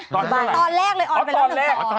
ตอนแรกเลยอ่อตอนแรก